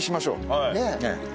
はい。